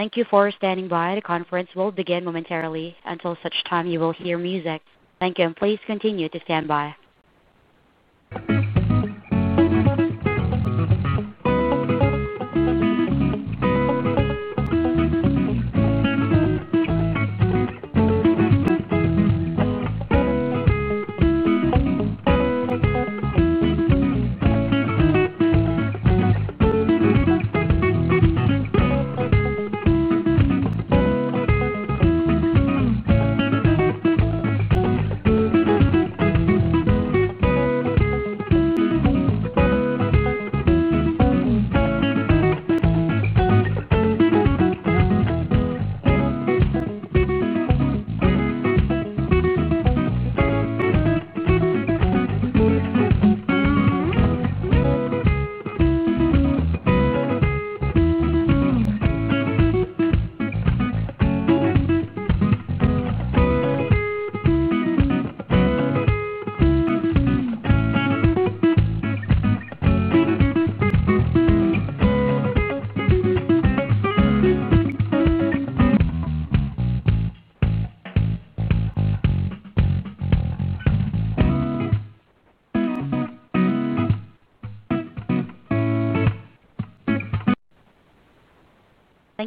Thank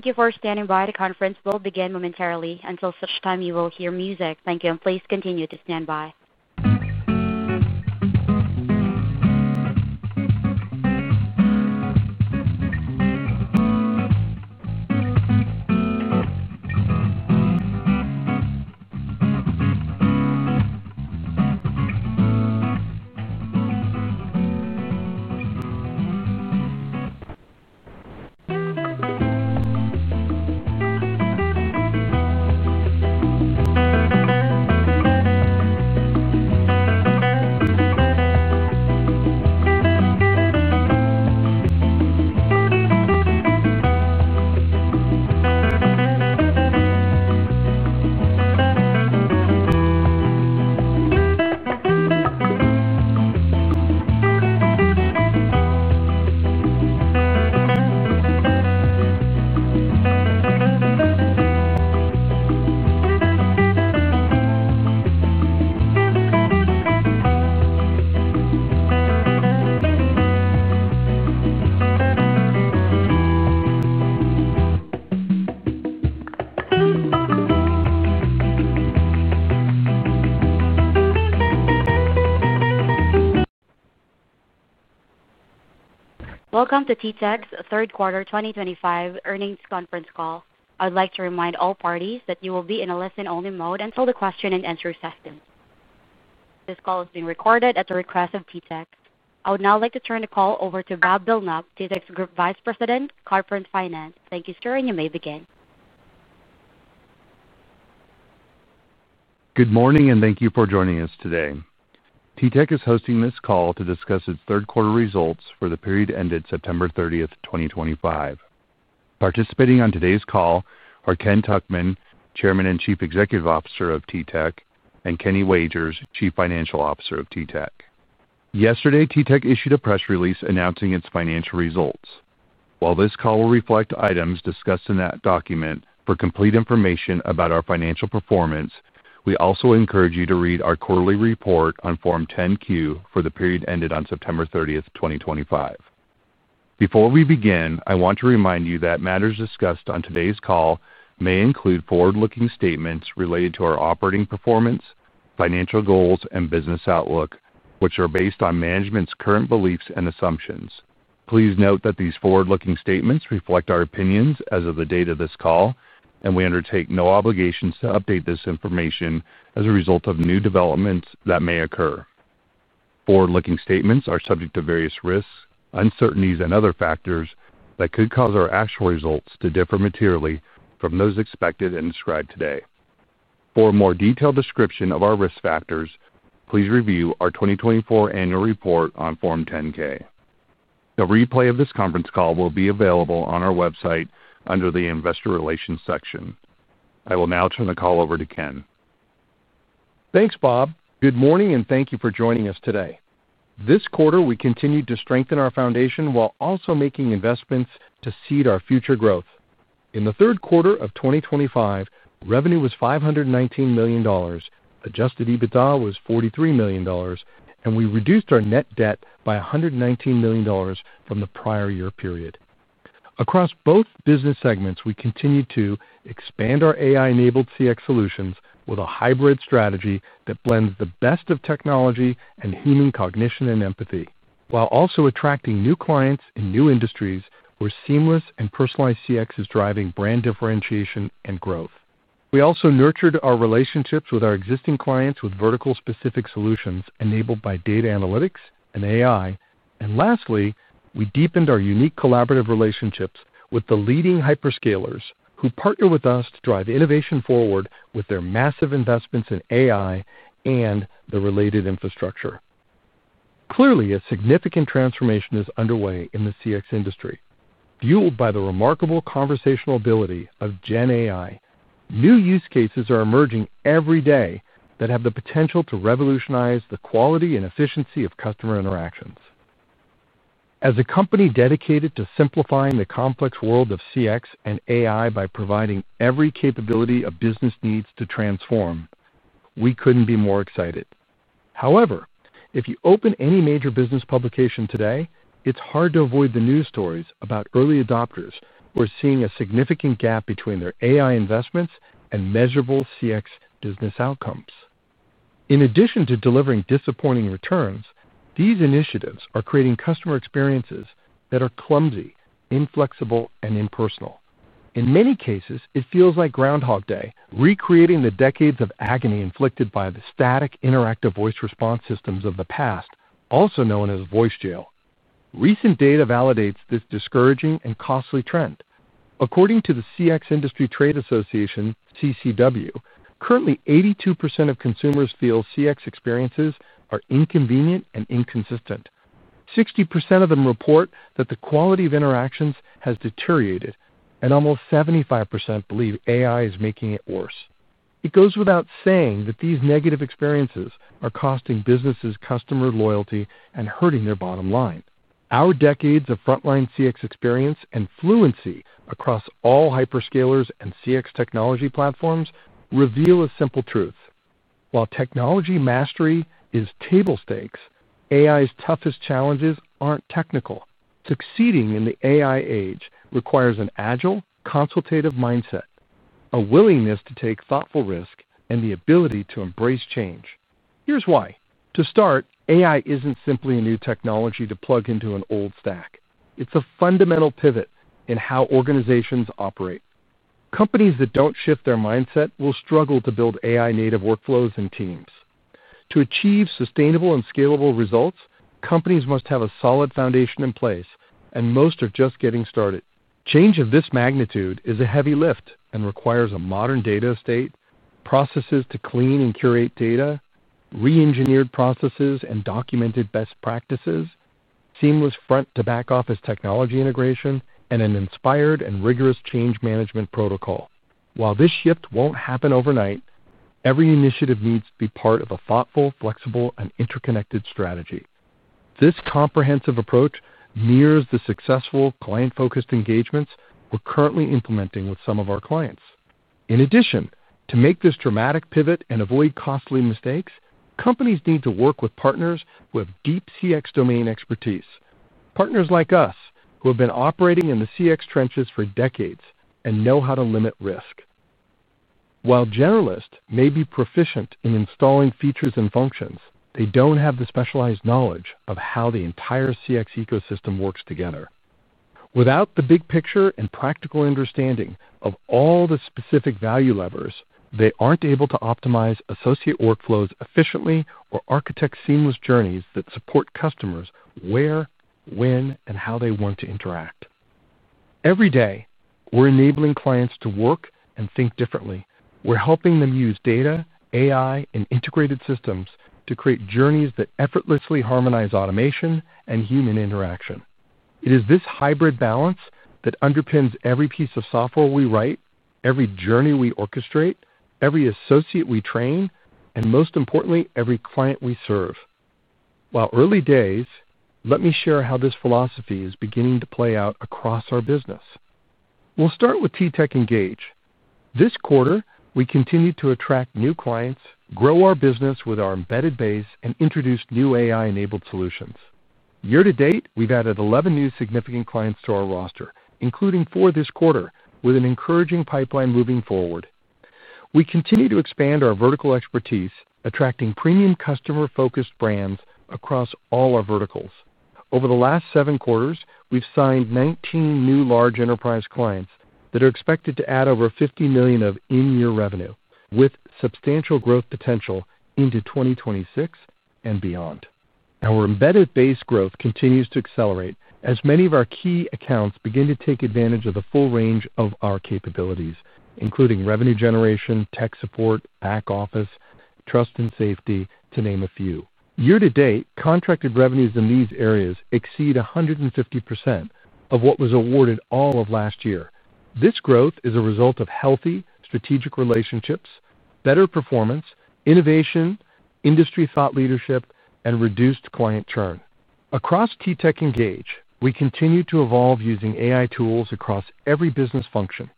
you for standing by. The conference will begin momentarily. Until such time, you will hear music. Thank you, and please continue to stand by. Welcome to TTEC's third quarter 2025 earnings conference call. I would like to remind all parties that you will be in a listen-only mode until the question-and-answer session. This call is being recorded at the request of TTEC. I would now like to turn the call over to Bob Belknapp, TTEC's Group Vice President, Conference Finance. Thank you, sir, and you may begin. Good morning, and thank you for joining us today. TTEC is hosting this call to discuss its third-quarter results for the period ended September 30th, 2025. Participating on today's call are Ken Tuchman, Chairman and Chief Executive Officer of TTEC, and Kenny Wagers, Chief Financial Officer of TTEC. Yesterday, TTEC issued a press release announcing its financial results. While this call will reflect items discussed in that document, for complete information about our financial performance, we also encourage you to read our quarterly report on Form 10-Q for the period ended on September 30th, 2025. Before we begin, I want to remind you that matters discussed on today's call may include forward-looking statements related to our operating performance, financial goals, and business outlook, which are based on management's current beliefs and assumptions. Please note that these forward-looking statements reflect our opinions as of the date of this call, and we undertake no obligations to update this information as a result of new developments that may occur. Forward-looking statements are subject to various risks, uncertainties, and other factors that could cause our actual results to differ materially from those expected and described today. For a more detailed description of our risk factors, please review our 2024 annual report on Form 10-K. The replay of this conference call will be available on our website under the Investor Relations section. I will now turn the call over to Ken. Thanks, Bob. Good morning, and thank you for joining us today. This quarter, we continued to strengthen our foundation while also making investments to seed our future growth. In the third quarter of 2025, revenue was $519 million, adjusted EBITDA was $43 million, and we reduced our net debt by $119 million from the prior year period. Across both business segments, we continued to expand our AI-enabled CX solutions with a hybrid strategy that blends the best of technology and human cognition and empathy, while also attracting new clients in new industries where seamless and personalized CX is driving brand differentiation and growth. We also nurtured our relationships with our existing clients with vertical-specific solutions enabled by data analytics and AI. Lastly, we deepened our unique collaborative relationships with the leading hyperscalers who partner with us to drive innovation forward with their massive investments in AI and the related infrastructure. Clearly, a significant transformation is underway in the CX industry. Fueled by the remarkable conversational ability of GenAI, new use cases are emerging every day that have the potential to revolutionize the quality and efficiency of customer interactions. As a company dedicated to simplifying the complex world of CX and AI by providing every capability a business needs to transform, we couldn't be more excited. However, if you open any major business publication today, it's hard to avoid the news stories about early adopters who are seeing a significant gap between their AI investments and measurable CX business outcomes. In addition to delivering disappointing returns, these initiatives are creating customer experiences that are clumsy, inflexible, and impersonal. In many cases, it feels like Groundhog Day, recreating the decades of agony inflicted by the static interactive voice response systems of the past, also known as voice jail. Recent data validates this discouraging and costly trend. According to the CX Industry Trade Association, CCW, currently 82% of consumers feel CX experiences are inconvenient and inconsistent. 60% of them report that the quality of interactions has deteriorated, and almost 75% believe AI is making it worse. It goes without saying that these negative experiences are costing businesses customer loyalty and hurting their bottom line. Our decades of frontline CX experience and fluency across all hyperscalers and CX technology platforms reveal a simple truth. While technology mastery is table stakes, AI's toughest challenges aren't technical. Succeeding in the AI age requires an agile, consultative mindset, a willingness to take thoughtful risks, and the ability to embrace change. Here's why. To start, AI isn't simply a new technology to plug into an old stack. It's a fundamental pivot in how organizations operate. Companies that don't shift their mindset will struggle to build AI-native workflows and teams. To achieve sustainable and scalable results, companies must have a solid foundation in place, and most are just getting started. Change of this magnitude is a heavy lift and requires a modern data estate, processes to clean and curate data, re-engineered processes and documented best practices, seamless front-to-back office technology integration, and an inspired and rigorous change management protocol. While this shift won't happen overnight, every initiative needs to be part of a thoughtful, flexible, and interconnected strategy. This comprehensive approach mirrors the successful client-focused engagements we're currently implementing with some of our clients. In addition, to make this dramatic pivot and avoid costly mistakes, companies need to work with partners who have deep CX domain expertise, partners like us who have been operating in the CX trenches for decades and know how to limit risk. While generalists may be proficient in installing features and functions, they don't have the specialized knowledge of how the entire CX ecosystem works together. Without the big picture and practical understanding of all the specific value levers, they aren't able to optimize associate workflows efficiently or architect seamless journeys that support customers where, when, and how they want to interact. Every day, we're enabling clients to work and think differently. We're helping them use data, AI, and integrated systems to create journeys that effortlessly harmonize automation and human interaction. It is this hybrid balance that underpins every piece of software we write, every journey we orchestrate, every associate we train, and most importantly, every client we serve. While early days, let me share how this philosophy is beginning to play out across our business. We'll start with TTEC Engage. This quarter, we continue to attract new clients, grow our business with our embedded base, and introduce new AI-enabled solutions. Year-to-date, we've added 11 new significant clients to our roster, including four this quarter, with an encouraging pipeline moving forward. We continue to expand our vertical expertise, attracting premium customer-focused brands across all our verticals. Over the last seven quarters, we've signed 19 new large enterprise clients that are expected to add over $50 million of in-year revenue, with substantial growth potential into 2026 and beyond. Our embedded base growth continues to accelerate as many of our key accounts begin to take advantage of the full range of our capabilities, including revenue generation, tech support, back office, trust, and safety, to name a few. Year-to-date, contracted revenues in these areas exceed 150% of what was awarded all of last year. This growth is a result of healthy strategic relationships, better performance, innovation, industry thought leadership, and reduced client churn. Across TTEC Engage, we continue to evolve using AI tools across every business function.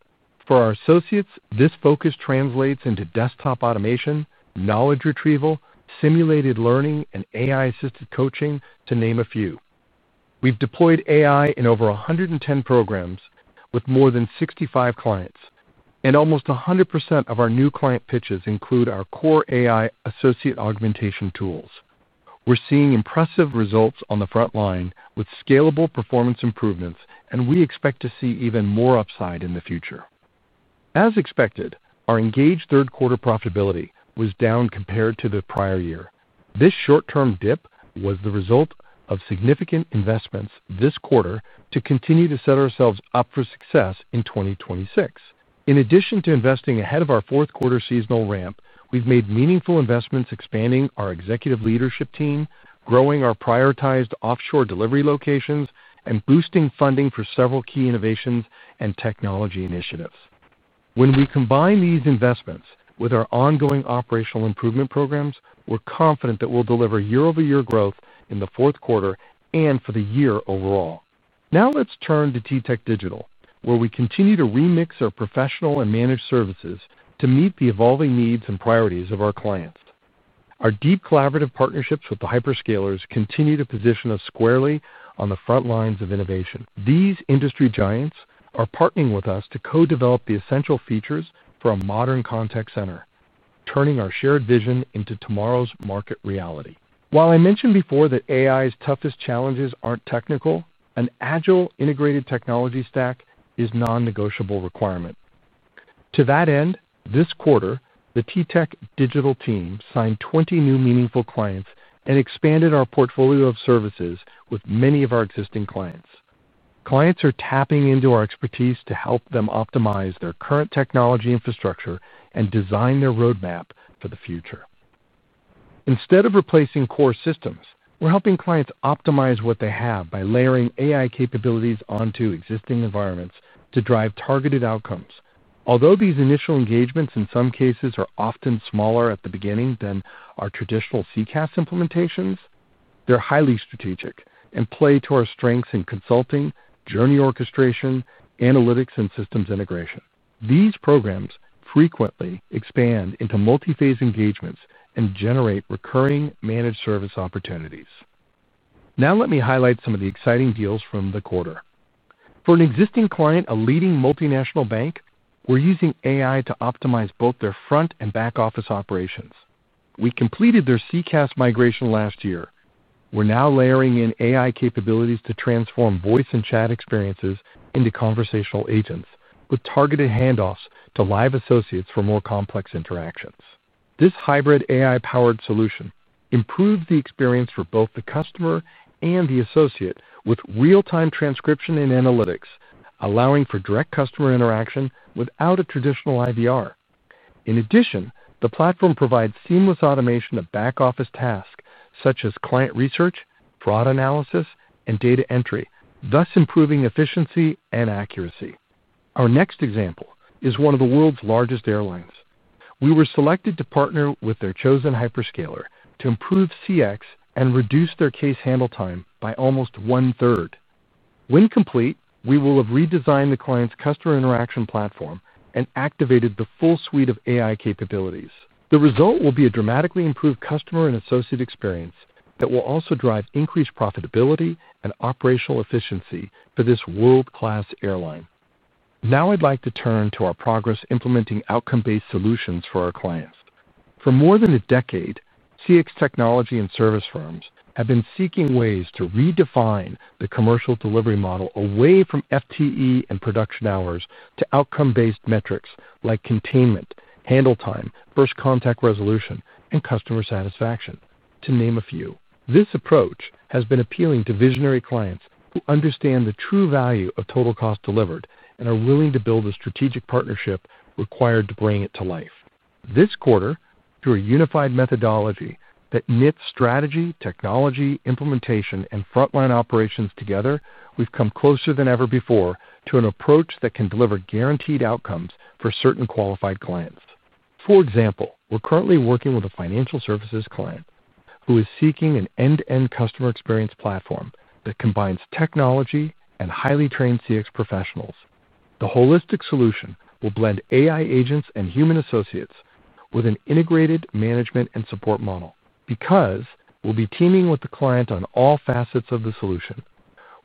For our associates, this focus translates into desktop automation, knowledge retrieval, simulated learning, and AI-assisted coaching, to name a few. We've deployed AI in over 110 programs with more than 65 clients, and almost 100% of our new client pitches include our core AI associate augmentation tools. We're seeing impressive results on the front line with scalable performance improvements, and we expect to see even more upside in the future. As expected, our engaged third-quarter profitability was down compared to the prior year. This short-term dip was the result of significant investments this quarter to continue to set ourselves up for success in 2026. In addition to investing ahead of our fourth-quarter seasonal ramp, we've made meaningful investments expanding our executive leadership team, growing our prioritized offshore delivery locations, and boosting funding for several key innovations and technology initiatives. When we combine these investments with our ongoing operational improvement programs, we're confident that we'll deliver year-over-year growth in the fourth quarter and for the year overall. Now let's turn to TTEC Digital, where we continue to remix our professional and managed services to meet the evolving needs and priorities of our clients. Our deep collaborative partnerships with the hyperscalers continue to position us squarely on the front lines of innovation. These industry giants are partnering with us to co-develop the essential features for a modern contact center, turning our shared vision into tomorrow's market reality. While I mentioned before that AI's toughest challenges aren't technical, an agile, integrated technology stack is a non-negotiable requirement. To that end, this quarter, the TTEC Digital team signed 20 new meaningful clients and expanded our portfolio of services with many of our existing clients. Clients are tapping into our expertise to help them optimize their current technology infrastructure and design their roadmap for the future. Instead of replacing core systems, we're helping clients optimize what they have by layering AI capabilities onto existing environments to drive targeted outcomes. Although these initial engagements in some cases are often smaller at the beginning than our traditional CCaaS implementations, they're highly strategic and play to our strengths in consulting, journey orchestration, analytics, and systems integration. These programs frequently expand into multi-phase engagements and generate recurring managed service opportunities. Now let me highlight some of the exciting deals from the quarter. For an existing client, a leading multinational bank, we're using AI to optimize both their front and back office operations. We completed their CCaaS migration last year. We're now layering in AI capabilities to transform voice and chat experiences into conversational agents with targeted handoffs to live associates for more complex interactions. This hybrid AI-powered solution improves the experience for both the customer and the associate with real-time transcription and analytics, allowing for direct customer interaction without a traditional IVR. In addition, the platform provides seamless automation of back office tasks such as client research, fraud analysis, and data entry, thus improving efficiency and accuracy. Our next example is one of the world's largest airlines. We were selected to partner with their chosen hyperscaler to improve CX and reduce their case handle time by almost 1/3. When complete, we will have redesigned the client's customer interaction platform and activated the full suite of AI capabilities. The result will be a dramatically improved customer and associate experience that will also drive increased profitability and operational efficiency for this world-class airline. Now I'd like to turn to our progress implementing outcome-based solutions for our clients. For more than a decade, CX technology and service firms have been seeking ways to redefine the commercial delivery model away from FTE and production hours to outcome-based metrics like containment, handle time, first contact resolution, and customer satisfaction, to name a few. This approach has been appealing to visionary clients who understand the true value of total cost delivered and are willing to build the strategic partnership required to bring it to life. This quarter, through a unified methodology that knits strategy, technology, implementation, and frontline operations together, we've come closer than ever before to an approach that can deliver guaranteed outcomes for certain qualified clients. For example, we're currently working with a financial services client who is seeking an end-to-end customer experience platform that combines technology and highly trained CX professionals. The holistic solution will blend AI agents and human associates with an integrated management and support model. Because we'll be teaming with the client on all facets of the solution,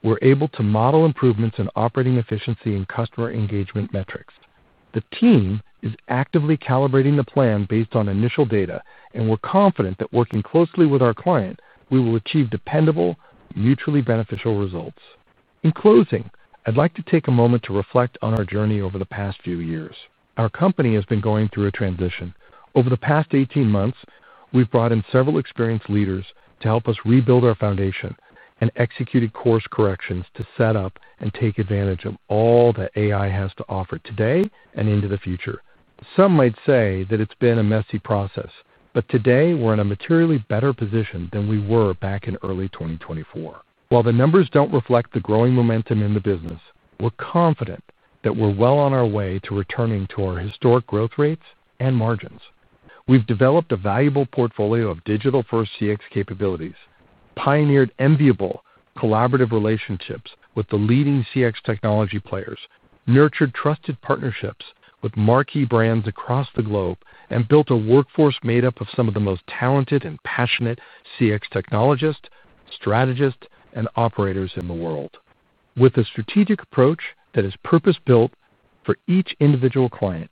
we're able to model improvements in operating efficiency and customer engagement metrics. The team is actively calibrating the plan based on initial data, and we're confident that working closely with our client, we will achieve dependable, mutually beneficial results. In closing, I'd like to take a moment to reflect on our journey over the past few years. Our company has been going through a transition. Over the past 18 months, we've brought in several experienced leaders to help us rebuild our foundation and executed course corrections to set up and take advantage of all that AI has to offer today and into the future. Some might say that it's been a messy process, but today we're in a materially better position than we were back in early 2024. While the numbers do not reflect the growing momentum in the business, we are confident that we are well on our way to returning to our historic growth rates and margins. We have developed a valuable portfolio of digital-first CX capabilities, pioneered enviable collaborative relationships with the leading CX technology players, nurtured trusted partnerships with marquee brands across the globe, and built a workforce made up of some of the most talented and passionate CX technologists, strategists, and operators in the world. With a strategic approach that is purpose-built for each individual client,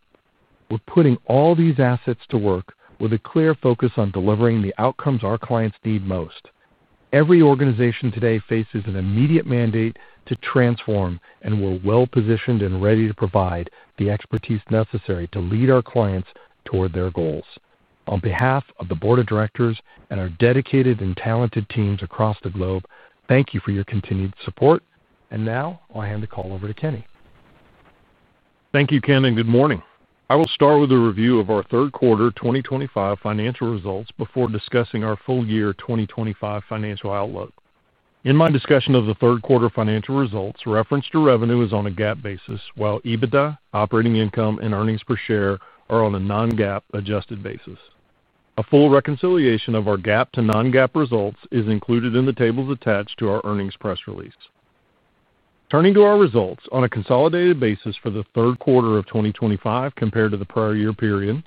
we are putting all these assets to work with a clear focus on delivering the outcomes our clients need most. Every organization today faces an immediate mandate to transform, and we are well-positioned and ready to provide the expertise necessary to lead our clients toward their goals. On behalf of the Board of Directors and our dedicated and talented teams across the globe, thank you for your continued support. Now I'll hand the call over to Kenny. Thank you, Ken, and good morning. I will start with a review of our third quarter 2025 financial results before discussing our full year 2025 financial outlook. In my discussion of the third quarter financial results, reference to revenue is on a GAAP basis, while EBITDA, operating income, and earnings per share are on a non-GAAP adjusted basis. A full reconciliation of our GAAP to non-GAAP results is included in the tables attached to our earnings press release. Turning to our results on a consolidated basis for the third quarter of 2025 compared to the prior year period,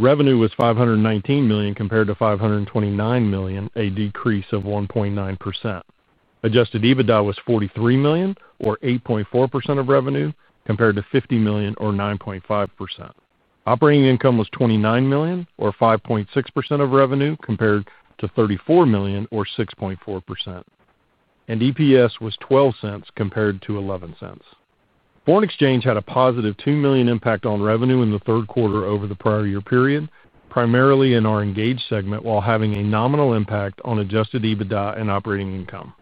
revenue was $519 million compared to $529 million, a decrease of 1.9%. Adjusted EBITDA was $43 million, or 8.4% of revenue, compared to $50 million, or 9.5%. Operating income was $29 million, or 5.6% of revenue, compared to $34 million, or 6.4%. EPS was $0.12 compared to $0.11. Foreign exchange had a positive $2 million impact on revenue in the third quarter over the prior year period, primarily in our Engage segment while having a nominal impact on adjusted EBITDA and operating income.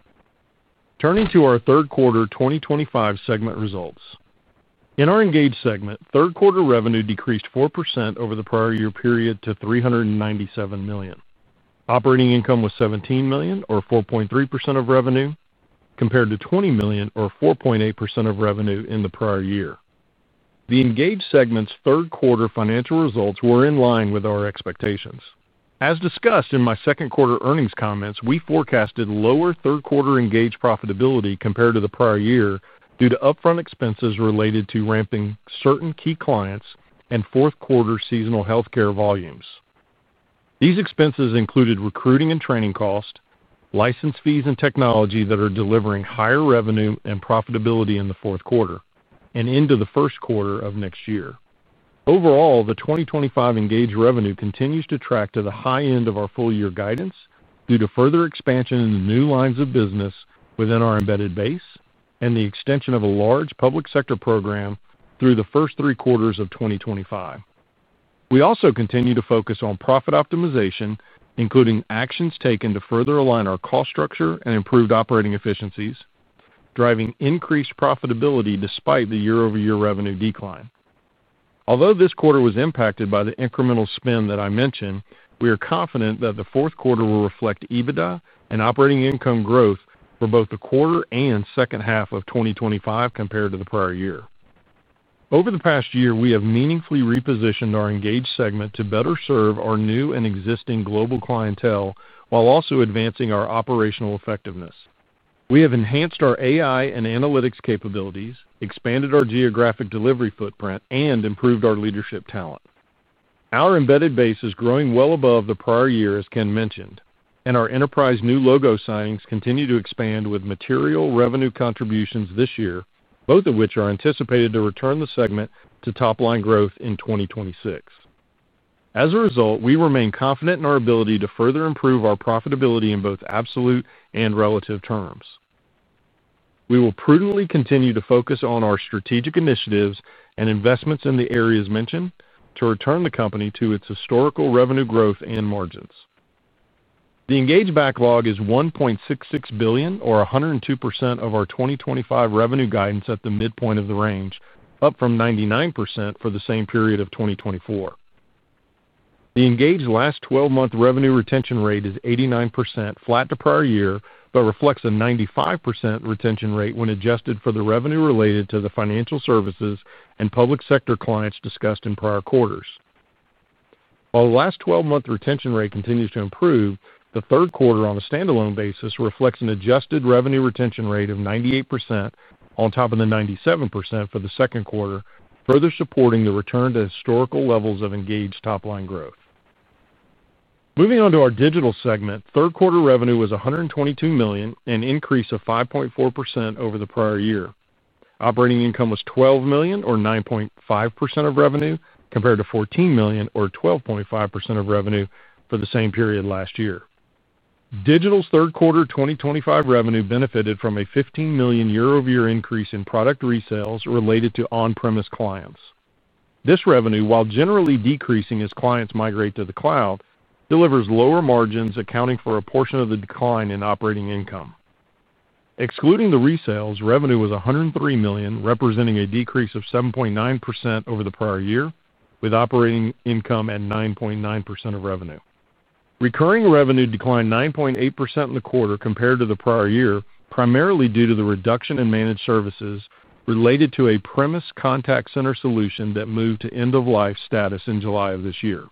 Turning to our third quarter 2025 segment results. In our Engage segment, third quarter revenue decreased 4% over the prior year period to $397 million. Operating income was $17 million, or 4.3% of revenue, compared to $20 million, or 4.8% of revenue in the prior year. The Engage segment's third quarter financial results were in line with our expectations. As discussed in my second quarter earnings comments, we forecasted lower third quarter engaged profitability compared to the prior year due to upfront expenses related to ramping certain key clients and fourth quarter seasonal healthcare volumes. These expenses included recruiting and training costs, license fees, and technology that are delivering higher revenue and profitability in the fourth quarter and into the first quarter of next year. Overall, the 2025 engaged revenue continues to track to the high end of our full year guidance due to further expansion in the new lines of business within our embedded base and the extension of a large public sector program through the first three quarters of 2025. We also continue to focus on profit optimization, including actions taken to further align our cost structure and improved operating efficiencies, driving increased profitability despite the year-over-year revenue decline. Although this quarter was impacted by the incremental spend that I mentioned, we are confident that the fourth quarter will reflect EBITDA and operating income growth for both the quarter and second half of 2025 compared to the prior year. Over the past year, we have meaningfully repositioned our Engage segment to better serve our new and existing global clientele while also advancing our operational effectiveness. We have enhanced our AI and analytics capabilities, expanded our geographic delivery footprint, and improved our leadership talent. Our embedded base is growing well above the prior year, as Ken mentioned, and our enterprise new logo signings continue to expand with material revenue contributions this year, both of which are anticipated to return the segment to top-line growth in 2026. As a result, we remain confident in our ability to further improve our profitability in both absolute and relative terms. We will prudently continue to focus on our strategic initiatives and investments in the areas mentioned to return the company to its historical revenue growth and margins. The engaged backlog is $1.66 billion, or 102% of our 2025 revenue guidance at the midpoint of the range, up from 99% for the same period of 2024. The engaged last 12-month revenue retention rate is 89%, flat to prior year, but reflects a 95% retention rate when adjusted for the revenue related to the financial services and public sector clients discussed in prior quarters. While the last 12-month retention rate continues to improve, the third quarter on a standalone basis reflects an adjusted revenue retention rate of 98% on top of the 97% for the second quarter, further supporting the return to historical levels of engaged top-line growth. Moving on to our digital segment, third quarter revenue was $122 million, an increase of 5.4% over the prior year. Operating income was $12 million, or 9.5% of revenue, compared to $14 million, or 12.5% of revenue for the same period last year. Digital's third quarter 2025 revenue benefited from a $15 million year-over-year increase in product resales related to on-premise clients. This revenue, while generally decreasing as clients migrate to the cloud, delivers lower margins, accounting for a portion of the decline in operating income. Excluding the resales, revenue was $103 million, representing a decrease of 7.9% over the prior year, with operating income at 9.9% of revenue. Recurring revenue declined 9.8% in the quarter compared to the prior year, primarily due to the reduction in managed services related to a premise contact center solution that moved to end-of-life status in July of this year.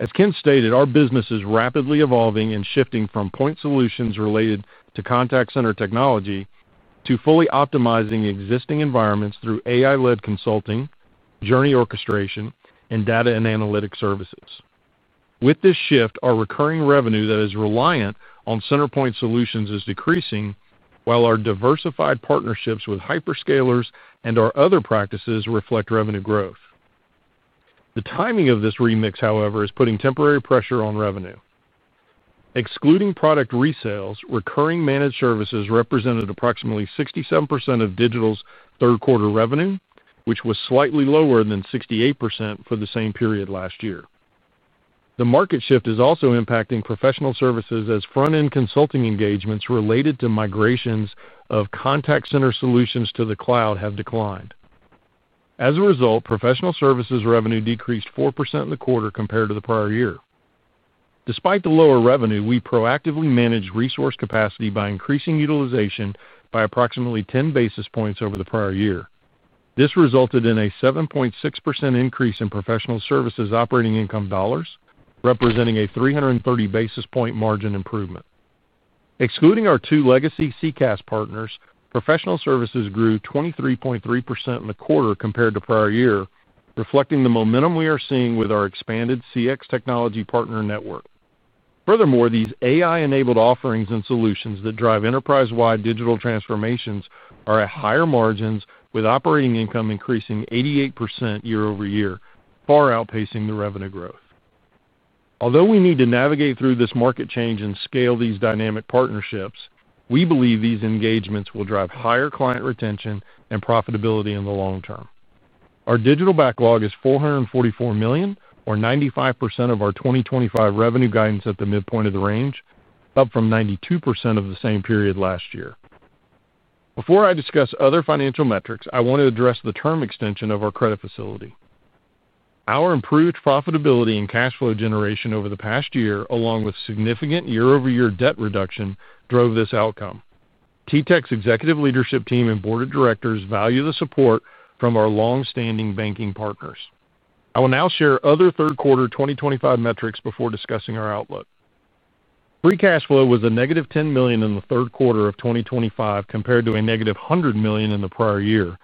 As Ken stated, our business is rapidly evolving and shifting from point solutions related to contact center technology to fully optimizing existing environments through AI-led consulting, journey orchestration, and data and analytic services. With this shift, our recurring revenue that is reliant on centerpoint solutions is decreasing, while our diversified partnerships with hyperscalers and our other practices reflect revenue growth. The timing of this remix, however, is putting temporary pressure on revenue. Excluding product resales, recurring managed services represented approximately 67% of Digital's third quarter revenue, which was slightly lower than 68% for the same period last year. The market shift is also impacting professional services as front-end consulting engagements related to migrations of contact center solutions to the cloud have declined. As a result, professional services revenue decreased 4% in the quarter compared to the prior year. Despite the lower revenue, we proactively managed resource capacity by increasing utilization by approximately 10 basis points over the prior year. This resulted in a 7.6% increase in professional services operating income dollars, representing a 330 basis point margin improvement. Excluding our two legacy CCaaS partners, professional services grew 23.3% in the quarter compared to prior year, reflecting the momentum we are seeing with our expanded CX technology partner network. Furthermore, these AI-enabled offerings and solutions that drive enterprise-wide digital transformations are at higher margins, with operating income increasing 88% year-over-year, far outpacing the revenue growth. Although we need to navigate through this market change and scale these dynamic partnerships, we believe these engagements will drive higher client retention and profitability in the long term. Our digital backlog is $444 million, or 95% of our 2025 revenue guidance at the midpoint of the range, up from 92% of the same period last year. Before I discuss other financial metrics, I want to address the term extension of our credit facility. Our improved profitability and cash flow generation over the past year, along with significant year-over-year debt reduction, drove this outcome. TTEC's executive leadership team and Board of Directors value the support from our long-standing banking partners. I will now share other third quarter 2025 metrics before discussing our outlook. Free cash flow was a negative $10 million in the third quarter of 2025 compared to a negative $100 million in the prior year,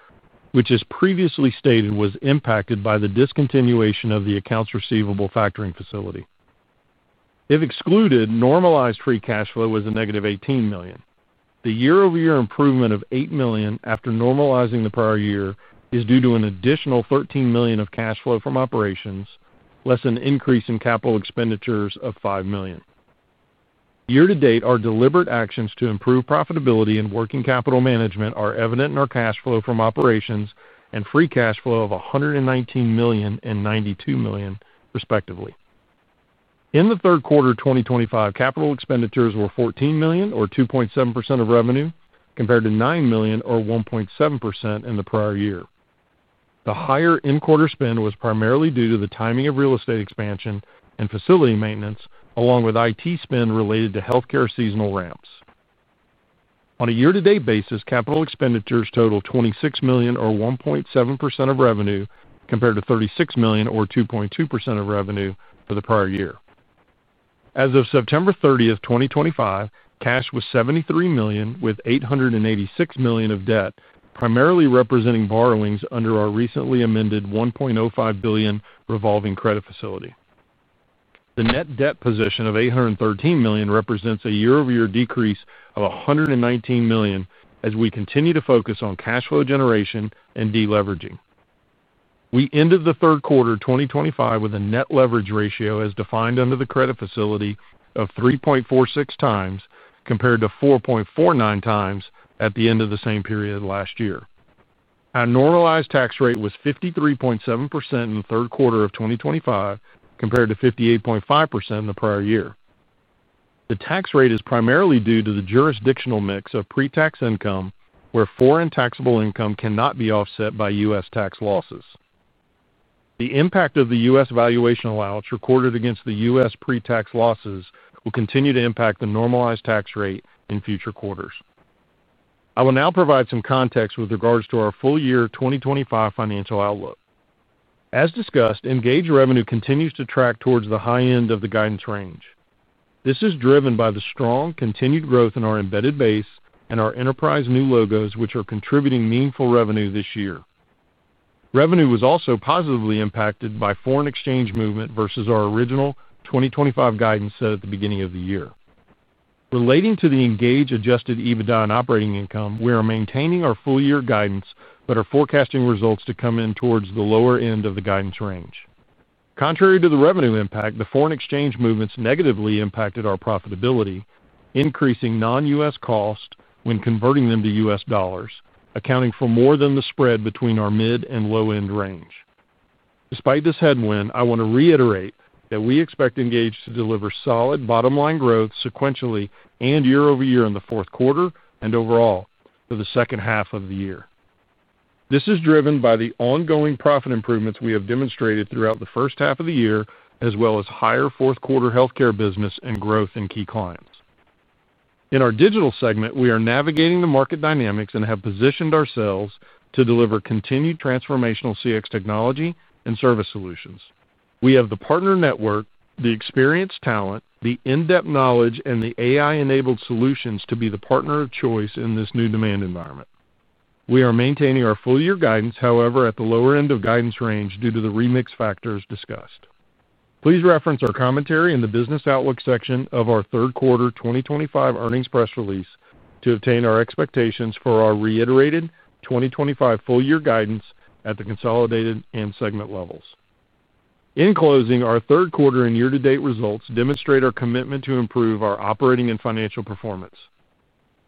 which as previously stated was impacted by the discontinuation of the accounts receivable factoring facility. If excluded, normalized free cash flow was a negative $18 million. The year-over-year improvement of $8 million after normalizing the prior year is due to an additional $13 million of cash flow from operations, less an increase in capital expenditures of $5 million. Year-to-date, our deliberate actions to improve profitability and working capital management are evident in our cash flow from operations and free cash flow of $119 million and $92 million, respectively. In the third quarter 2025, capital expenditures were $14 million, or 2.7% of revenue, compared to $9 million, or 1.7% in the prior year. The higher in-quarter spend was primarily due to the timing of real estate expansion and facility maintenance, along with IT spend related to healthcare seasonal ramps. On a year-to-date basis, capital expenditures total $26 million, or 1.7% of revenue, compared to $36 million, or 2.2% of revenue for the prior year. As of September 30, 2025, cash was $73 million, with $886 million of debt, primarily representing borrowings under our recently amended $1.05 billion revolving credit facility. The net debt position of $813 million represents a year-over-year decrease of $119 million as we continue to focus on cash flow generation and deleveraging. We ended the third quarter 2025 with a net leverage ratio as defined under the credit facility of 3.46x compared to 4.49x at the end of the same period last year. Our normalized tax rate was 53.7% in the third quarter of 2025 compared to 58.5% in the prior year. The tax rate is primarily due to the jurisdictional mix of pre-tax income, where foreign taxable income cannot be offset by U.S. tax losses. The impact of the U.S. valuation allowance recorded against the U.S. pre-tax losses will continue to impact the normalized tax rate in future quarters. I will now provide some context with regards to our full year 2025 financial outlook. As discussed, Engage revenue continues to track towards the high end of the guidance range. This is driven by the strong continued growth in our embedded base and our enterprise new logos, which are contributing meaningful revenue this year. Revenue was also positively impacted by foreign exchange movement versus our original 2025 guidance set at the beginning of the year. Relating to the Engage adjusted EBITDA and operating income, we are maintaining our full year guidance, but are forecasting results to come in towards the lower end of the guidance range. Contrary to the revenue impact, the foreign exchange movements negatively impacted our profitability, increasing non-U.S. costs when converting them to U.S. dollars, accounting for more than the spread between our mid and low-end range. Despite this headwind, I want to reiterate that we expect Engage to deliver solid bottom-line growth sequentially and year-over-year in the fourth quarter and overall for the second half of the year. This is driven by the ongoing profit improvements we have demonstrated throughout the first half of the year, as well as higher fourth quarter healthcare business and growth in key clients. In our Digital segment, we are navigating the market dynamics and have positioned ourselves to deliver continued transformational CX technology and service solutions. We have the partner network, the experienced talent, the in-depth knowledge, and the AI-enabled solutions to be the partner of choice in this new demand environment. We are maintaining our full year guidance, however, at the lower end of guidance range due to the remix factors discussed. Please reference our commentary in the business outlook section of our third quarter 2025 earnings press release to obtain our expectations for our reiterated 2025 full year guidance at the consolidated and segment levels. In closing, our third quarter and year-to-date results demonstrate our commitment to improve our operating and financial performance.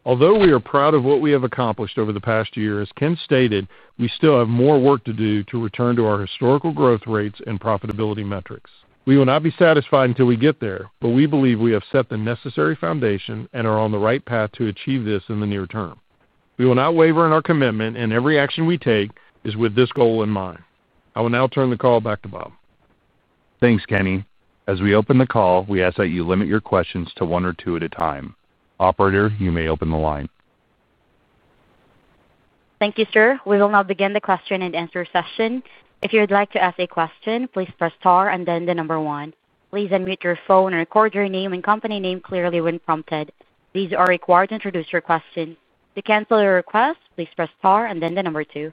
Although we are proud of what we have accomplished over the past year, as Ken stated, we still have more work to do to return to our historical growth rates and profitability metrics. We will not be satisfied until we get there, but we believe we have set the necessary foundation and are on the right path to achieve this in the near-term. We will not waver in our commitment, and every action we take is with this goal in mind. I will now turn the call back to Bob. Thanks, Kenny. As we open the call, we ask that you limit your questions to one or two at a time. Operator, you may open the line. Thank you, sir. We will now begin the question-and-answer session. If you would like to ask a question, please press star and then the number one. Please unmute your phone and record your name and company name clearly when prompted. These are required to introduce your question. To cancel your request, please press star and then the number two.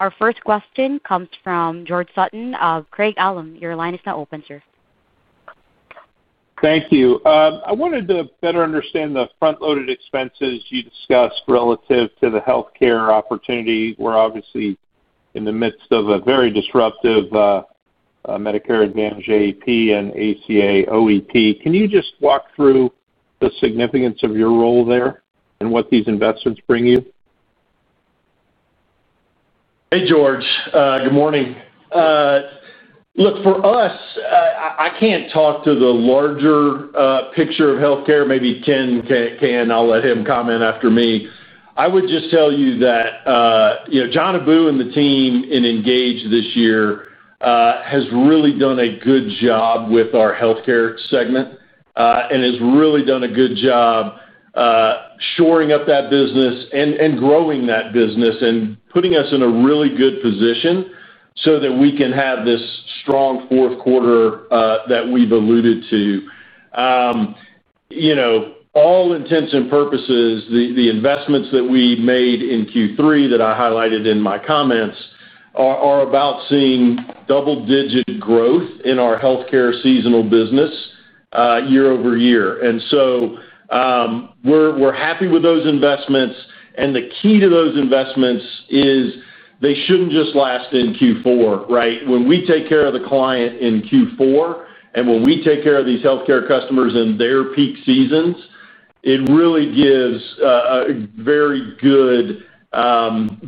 Our first question comes from George Sutton of Craig-Hallum. Your line is now open, sir. Thank you. I wanted to better understand the front-loaded expenses you discussed relative to the healthcare opportunity. We're obviously in the midst of a very disruptive Medicare Advantage AEP and ACA OEP. Can you just walk through the significance of your role there and what these investments bring you? Hey, George. Good morning. Look, for us, I can't talk to the larger picture of healthcare. Maybe Ken can, and I'll let him comment after me. I would just tell you that John Abou and the team in Engage this year has really done a good job with our healthcare segment and has really done a good job shoring up that business and growing that business and putting us in a really good position so that we can have this strong fourth quarter that we've alluded to. All intents and purposes, the investments that we made in Q3 that I highlighted in my comments are about seeing double-digit growth in our healthcare seasonal business year-over-year. And so we're happy with those investments. The key to those investments is they should not just last in Q4, right? When we take care of the client in Q4 and when we take care of these healthcare customers in their peak seasons, it really gives a very good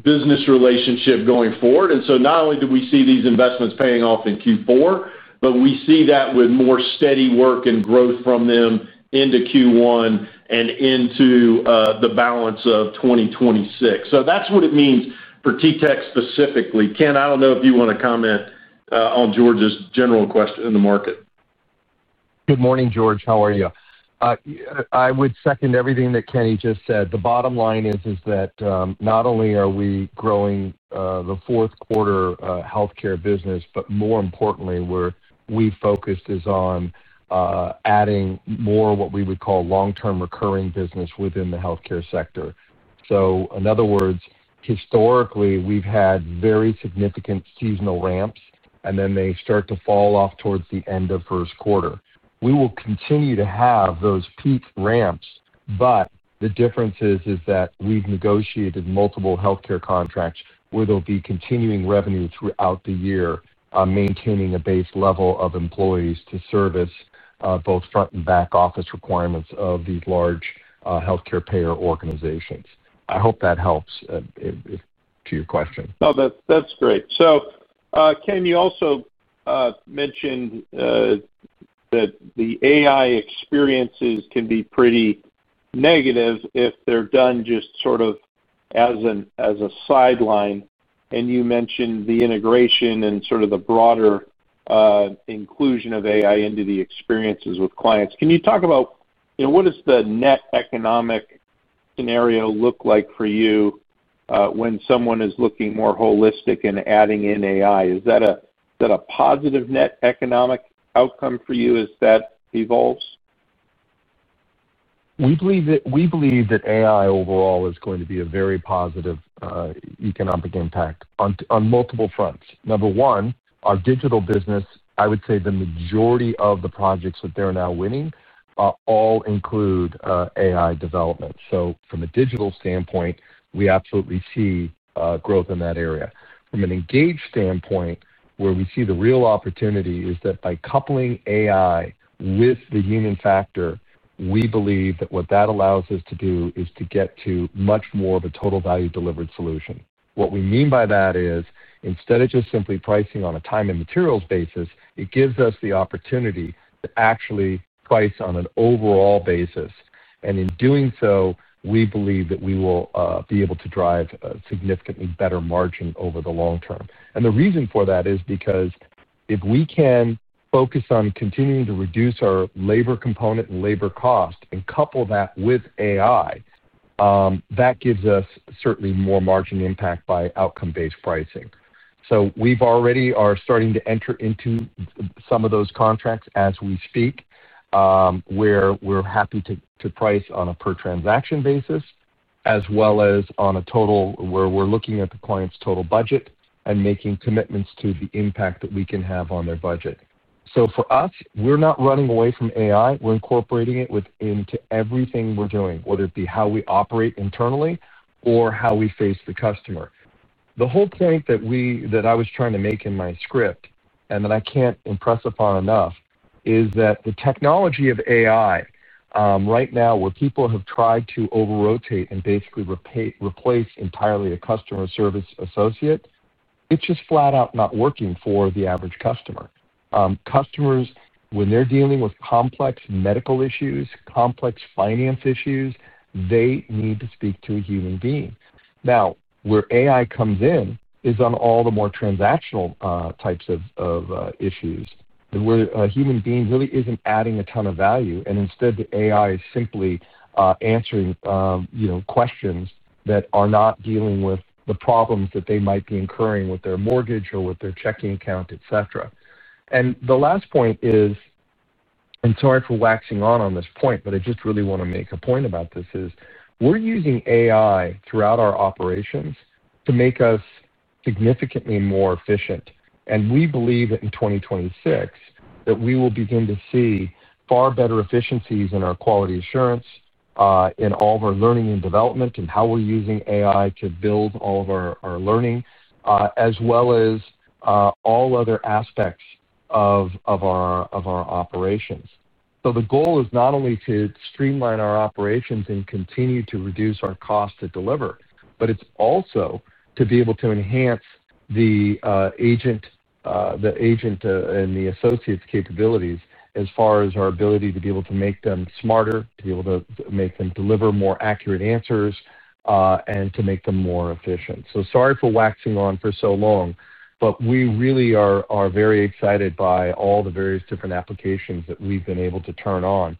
business relationship going forward. Not only do we see these investments paying off in Q4, but we see that with more steady work and growth from them into Q1 and into the balance of 2026. That is what it means for TTEC specifically. Ken, I do not know if you want to comment on George's general question in the market. Good morning, George. How are you? I would second everything that Kenny just said. The bottom line is that not only are we growing the fourth quarter healthcare business, but more importantly, where we focused is on adding more of what we would call long-term recurring business within the healthcare sector. In other words, historically, we've had very significant seasonal ramps, and then they start to fall off towards the end of first quarter. We will continue to have those peak ramps, but the difference is that we've negotiated multiple healthcare contracts where there'll be continuing revenue throughout the year, maintaining a base level of employees to service both front and back office requirements of these large healthcare payer organizations. I hope that helps to your question. No, that's great. Kenny, you also mentioned that the AI experiences can be pretty negative if they're done just sort of as a sideline. You mentioned the integration and sort of the broader inclusion of AI into the experiences with clients. Can you talk about what does the net economic scenario look like for you when someone is looking more holistic and adding in AI? Is that a positive net economic outcome for you as that evolves? We believe that AI overall is going to be a very positive economic impact on multiple fronts. Number one, our digital business, I would say the majority of the projects that they're now winning all include AI development. From a digital standpoint, we absolutely see growth in that area. From an engaged standpoint, where we see the real opportunity is that by coupling AI with the human factor, we believe that what that allows us to do is to get to much more of a total value-delivered solution. What we mean by that is instead of just simply pricing on a time and materials basis, it gives us the opportunity to actually price on an overall basis. In doing so, we believe that we will be able to drive a significantly better margin over the long-term. The reason for that is because if we can focus on continuing to reduce our labor component and labor cost and couple that with AI, that gives us certainly more margin impact by outcome-based pricing. We have already started to enter into some of those contracts as we speak where we are happy to price on a per-transaction basis as well as on a total where we are looking at the client's total budget and making commitments to the impact that we can have on their budget. For us, we are not running away from AI. We're incorporating it into everything we're doing, whether it be how we operate internally or how we face the customer. The whole point that I was trying to make in my script, and that I can't impress upon enough, is that the technology of AI right now, where people have tried to over-rotate and basically replace entirely a customer service associate, it's just flat out not working for the average customer. Customers, when they're dealing with complex medical issues, complex finance issues, they need to speak to a human being. Now, where AI comes in is on all the more transactional types of issues where a human being really isn't adding a ton of value, and instead, the AI is simply answering questions that are not dealing with the problems that they might be incurring with their mortgage or with their checking account, etc. The last point is, and sorry for waxing on on this point, but I just really want to make a point about this is we're using AI throughout our operations to make us significantly more efficient. We believe that in 2026, we will begin to see far better efficiencies in our quality assurance, in all of our learning and development, and how we're using AI to build all of our learning, as well as all other aspects of our operations. The goal is not only to streamline our operations and continue to reduce our cost to deliver, but it's also to be able to enhance the agent and the associates' capabilities as far as our ability to be able to make them smarter, to be able to make them deliver more accurate answers, and to make them more efficient. Sorry for waxing on for so long, but we really are very excited by all the various different applications that we've been able to turn on.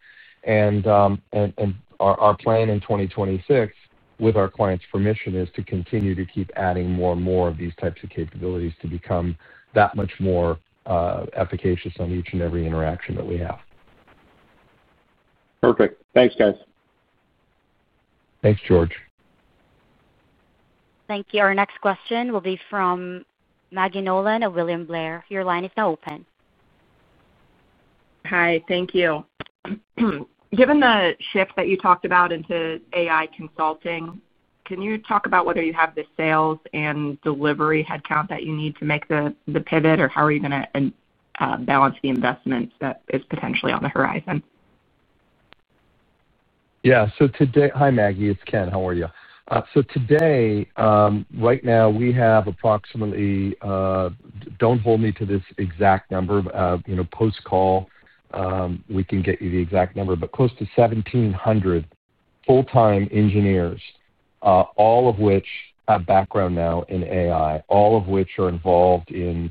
Our plan in 2026, with our clients' permission, is to continue to keep adding more and more of these types of capabilities to become that much more efficacious on each and every interaction that we have. Perfect. Thanks, guys. Thanks, George. Thank you. Our next question will be from Maggie Nolan and William Blair. Your line is now open. Hi. Thank you. Given the shift that you talked about into AI consulting, can you talk about whether you have the sales and delivery headcount that you need to make the pivot, or how are you going to balance the investment that is potentially on the horizon? Yeah. Hi, Maggie. It's Ken, how are you? Today, right now, we have approximately, do not hold me to this exact number, post-call, we can get you the exact number, but close to 1,700 full-time engineers, all of which have background now in AI, all of which are involved in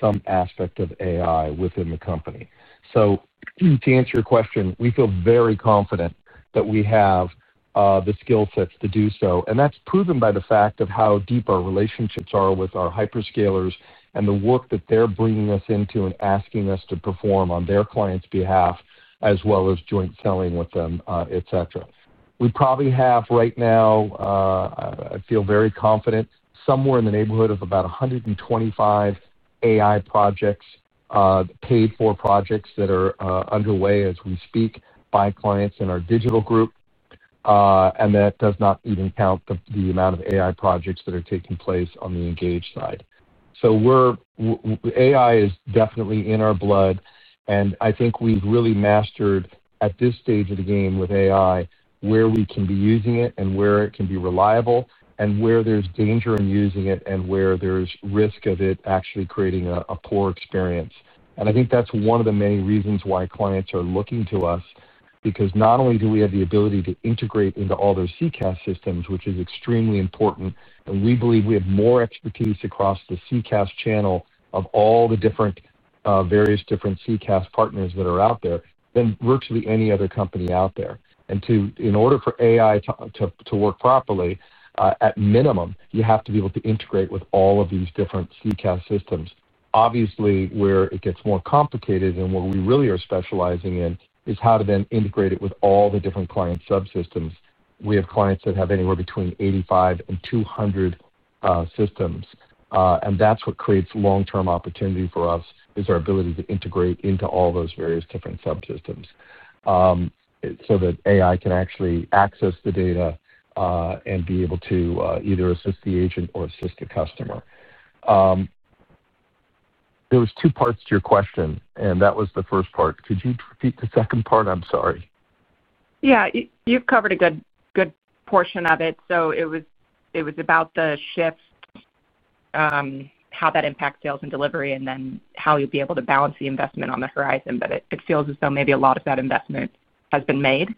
some aspect of AI within the company. To answer your question, we feel very confident that we have the skill sets to do so. That is proven by the fact of how deep our relationships are with our hyperscalers and the work that they are bringing us into and asking us to perform on their clients' behalf, as well as joint selling with them, etc. We probably have right now, I feel very confident, somewhere in the neighborhood of about 125 AI projects, paid-for projects that are underway as we speak by clients in our digital group and that does not even count the amount of AI projects that are taking place on the Engage side. AI is definitely in our blood. I think we've really mastered, at this stage of the game with AI, where we can be using it and where it can be reliable and where there's danger in using it and where there's risk of it actually creating a poor experience. I think that's one of the many reasons why clients are looking to us, because not only do we have the ability to integrate into all those CCaaS systems, which is extremely important, and we believe we have more expertise across the CCaaS channel of all the various different CCaaS partners that are out there than virtually any other company out there. In order for AI to work properly, at minimum, you have to be able to integrate with all of these different CCaaS systems. Obviously, where it gets more complicated and where we really are specializing in is how to then integrate it with all the different client subsystems. We have clients that have anywhere between 85 and 200 systems. That is what creates long-term opportunity for us, is our ability to integrate into all those various different subsystems so that AI can actually access the data and be able to either assist the agent or assist the customer. There were two parts to your question, and that was the first part. Could you repeat the second part? I'm sorry. Yeah. You've covered a good portion of it. It was about the shift, how that impacts sales and delivery, and then how you'd be able to balance the investment on the horizon. It feels as though maybe a lot of that investment has been made.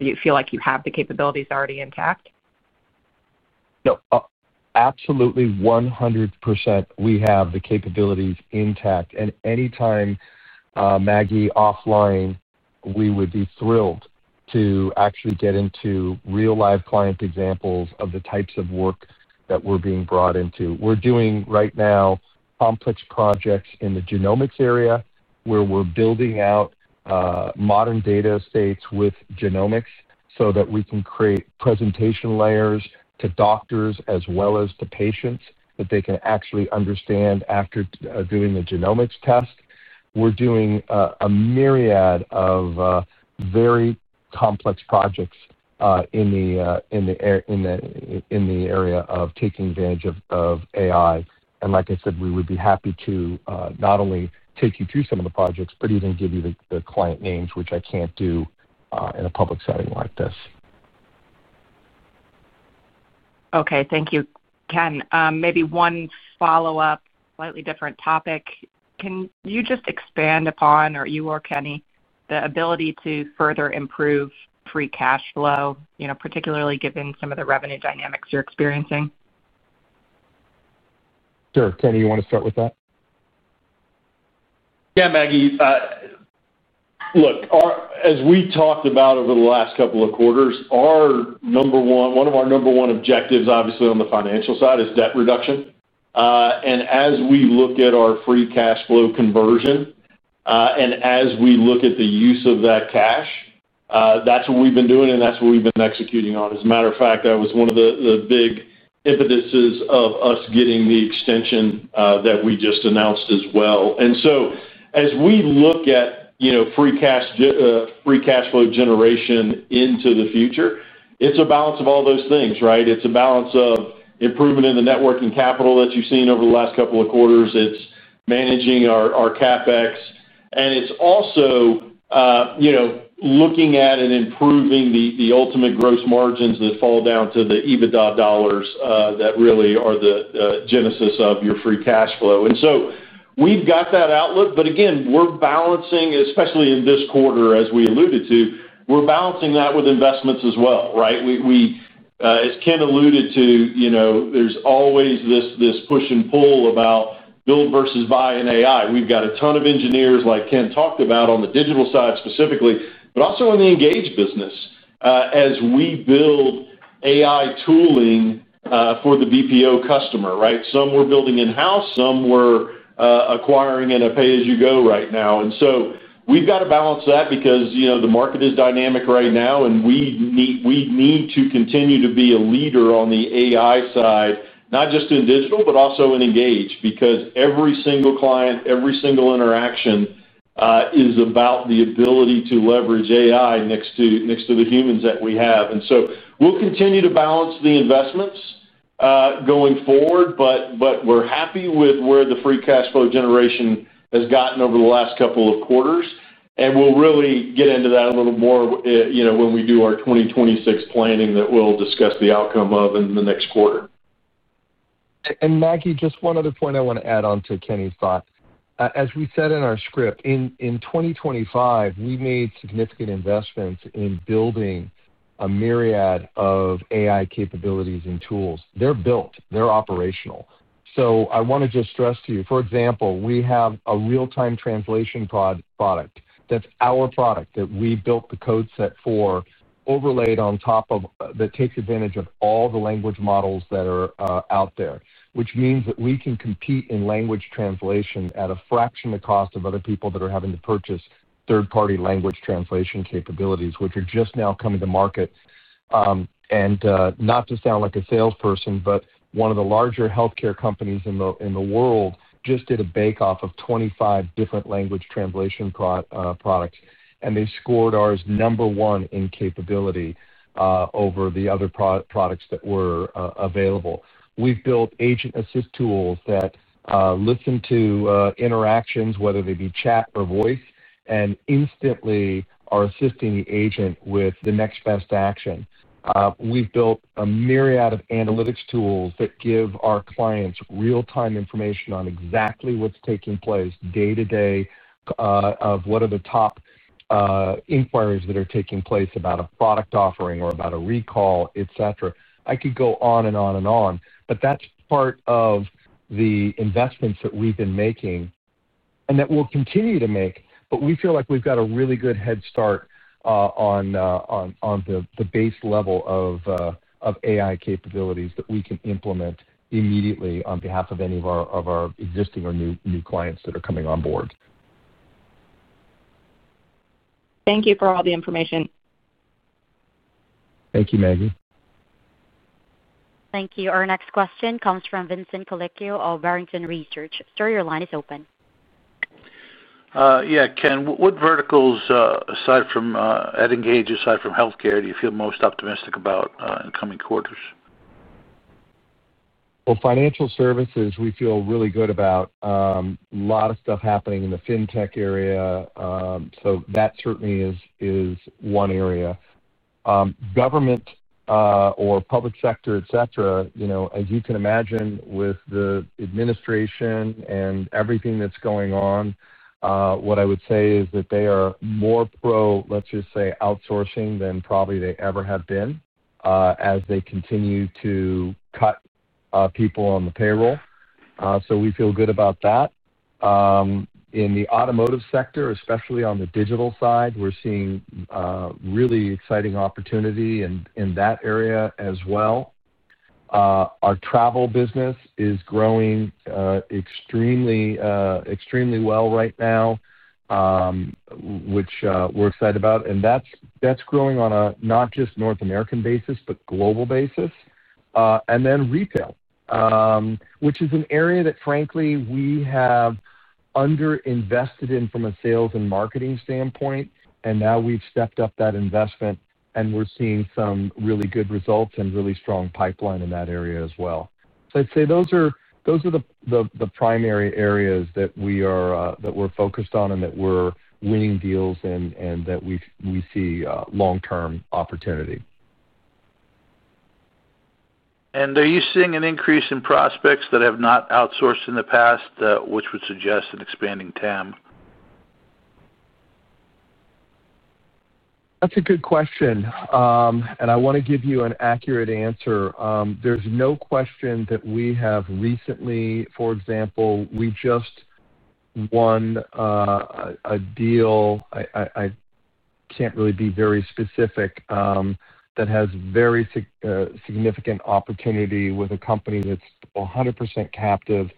Do you feel like you have the capabilities already intact? No, absolutely 100%. We have the capabilities intact. Anytime, Maggie, offline, we would be thrilled to actually get into real-life client examples of the types of work that we're being brought into. We're doing right now complex projects in the genomics area where we're building out modern data states with genomics so that we can create presentation layers to doctors as well as to patients that they can actually understand after doing the genomics test. We're doing a myriad of very complex projects in the area of taking advantage of AI. Like I said, we would be happy to not only take you through some of the projects, but even give you the client names, which I can't do in a public setting like this. Okay. Thank you, Ken. Maybe one follow-up, slightly different topic. Can you just expand upon, or you or Kenny, the ability to further improve free cash flow, particularly given some of the revenue dynamics you're experiencing? Sure. Kenny, you want to start with that? Yeah, Maggie. Look, as we talked about over the last couple of quarters, one of our number one objectives, obviously on the financial side, is debt reduction. As we look at our free cash flow conversion and as we look at the use of that cash, that's what we've been doing, and that's what we've been executing on. As a matter of fact, that was one of the big impetuses of us getting the extension that we just announced as well. As we look at free cash flow generation into the future, it's a balance of all those things, right? It's a balance of improvement in the networking capital that you've seen over the last couple of quarters. It's managing our CapEx. It's also looking at and improving the ultimate gross margins that fall down to the EBITDA dollars that really are the genesis of your free cash flow. We've got that outlook. Again, we're balancing, especially in this quarter, as we alluded to, we're balancing that with investments as well, right? As Ken alluded to, there's always this push and pull about build versus buy in AI. We've got a ton of engineers, like Ken talked about, on the digital side specifically, but also in the engaged business as we build AI tooling for the BPO customer, right? Some we're building in-house. Some we're acquiring in a pay-as-you-go right now. We have to balance that because the market is dynamic right now, and we need to continue to be a leader on the AI side, not just in digital, but also in engaged, because every single client, every single interaction is about the ability to leverage AI next to the humans that we have. We will continue to balance the investments going forward, but we're happy with where the free cash flow generation has gotten over the last couple of quarters and we will really get into that a little more when we do our 2026 planning that we will discuss the outcome of in the next quarter. Maggie, just one other point I want to add on to Kenny's thought. As we said in our script, in 2025, we made significant investments in building a myriad of AI capabilities and tools. They are built, they are operational. I want to just stress to you, for example, we have a real-time translation product. That is our product that we built the code set for, overlaid on top of that takes advantage of all the language models that are out there, which means that we can compete in language translation at a fraction of the cost of other people that are having to purchase third-party language translation capabilities, which are just now coming to market. Not to sound like a salesperson, but one of the larger healthcare companies in the world just did a bake-off of 25 different language translation products, and they scored ours number one in capability over the other products that were available. We've built agent-assist tools that listen to interactions, whether they be chat or voice, and instantly are assisting the agent with the next best action. We've built a myriad of analytics tools that give our clients real-time information on exactly what's taking place day-to-day of what are the top inquiries that are taking place about a product offering or about a recall, etc. I could go on and on and on, but that's part of the investments that we've been making and that we'll continue to make. We feel like we've got a really good head start on the base level of AI capabilities that we can implement immediately on behalf of any of our existing or new clients that are coming on board. Thank you for all the information. Thank you, Maggie. Thank you. Our next question comes from Vincent Colicchio of Barrington Research. Sir, your line is open. Yeah, Ken. What verticals, aside from at Engage, aside from healthcare, do you feel most optimistic about in coming quarters? For financial services, we feel really good about, a lot of stuff happening in the fintech area. That certainly is one area. Government or public sector, etc., as you can imagine, with the administration and everything that's going on, what I would say is that they are more pro, let's just say, outsourcing than probably they ever have been as they continue to cut people on the payroll. We feel good about that. In the automotive sector, especially on the digital side, we're seeing really exciting opportunity in that area as well. Our travel business is growing extremely well right now, which we're excited about. That's growing on a not just North American basis, but global basis. Retail, which is an area that, frankly, we have underinvested in from a sales and marketing standpoint, now we've stepped up that investment, and we're seeing some really good results and really strong pipeline in that area as well. I'd say those are the primary areas that we're focused on and that we're winning deals in and that we see long-term opportunity. Are you seeing an increase in prospects that have not outsourced in the past, which would suggest an expanding TAM? That's a good question. I want to give you an accurate answer. There's no question that we have recently, for example, we just won a deal, I can't really be very specific, that has very significant opportunity with a company that's 100% captive